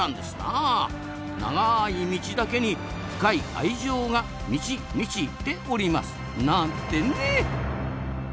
長い「道」だけに深い愛情が「満ち満ち」ております。なんてね！